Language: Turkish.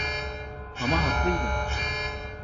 Ama haklıydın.